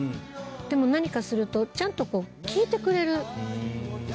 でも何かするとちゃんとこう聞いてくれるうん。